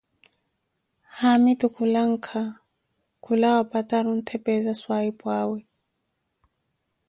haamitu khulanka khulawa opatari ontthepeeza swaahipu awe.